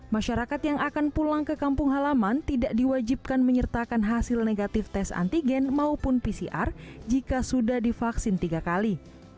masyarakat yang akan pulang ke kampung halaman tidak diwajibkan menyertakan hasil negatif tes antigen maupun pcr jika sudah divaksin tiga kali